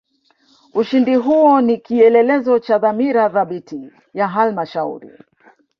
ushindi huo ni kieelezo cha dhamira thabiti ya halmashauri